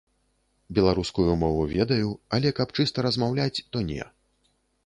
Беларускую мову ведаю, але каб чыста размаўляць, то не.